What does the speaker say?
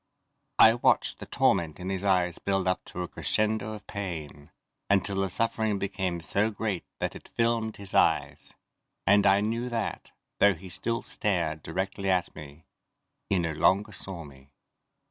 I watched the torment in his eyes build up to a crescendo of pain, until the suffering became so great that it filmed his eyes, and I knew that, though he still stared directly at me, he no longer saw me.